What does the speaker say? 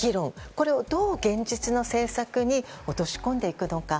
これをどう現実の政策に落とし込んでいくのか。